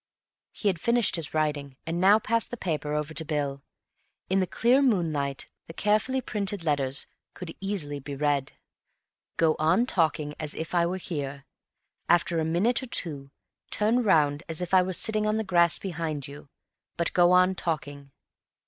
He had finished his writing, and now passed the paper over to Bill. In the clear moonlight the carefully printed letters could easily be read: "GO ON TALKING AS IF I WERE HERE. AFTER A MINUTE OR TWO, TURN ROUND AS IF I WERE SITTING ON THE GRASS BEHIND YOU, BUT GO ON TALKING."